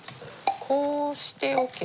こうしておけば。